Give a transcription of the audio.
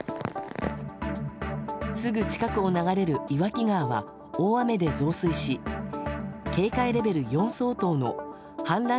すぐ近くを流れる岩木川は大雨で増水し警戒レベル４相当の氾濫